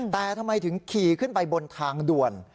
แต่ทำไมถึงขี่ขึ้นไปบนทางด่วน